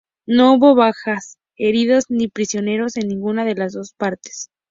No hubo bajas, heridos ni prisioneros en ninguna de las dos partes.